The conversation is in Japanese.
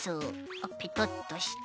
あっペトッとして。